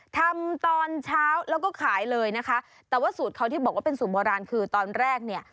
ทำตอนเช้าแล้วก็ขายเลยนะคะแต่ว่าสูตรเขาที่บอกว่าเป็นสูตรโบราณคือตอนแรกเนี่ย